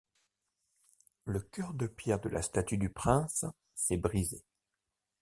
Le cœur de pierre de la statue du prince, s'est brisé.